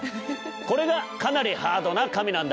これがかなりハードな神なんだ。